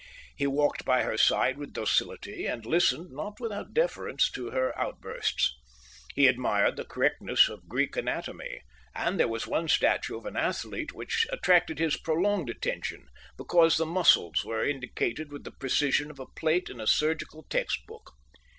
He walked by her side with docility and listened, not without deference, to her outbursts. He admired the correctness of Greek anatomy, and there was one statue of an athlete which attracted his prolonged attention, because the muscles were indicated with the precision of a plate in a surgical textbook.